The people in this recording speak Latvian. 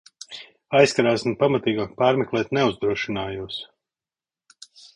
Aizkrāsni pamatīgāk pārmeklēt neuzdrošinājos.